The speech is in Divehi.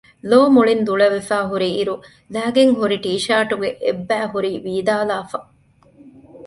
ލޯ މުޅިން ދުޅަވެފަ ހުރި އިރު ލައިގެން ހުރި ޓީޝާޓުގެ އެއްބައި ހުރީ ވީދާލާފަ